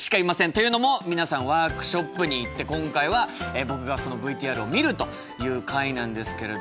というのも皆さんワークショップに行って今回は僕がそのＶＴＲを見るという回なんですけれども。